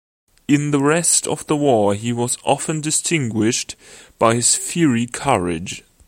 In the rest of the war he was often distinguished by his fiery courage.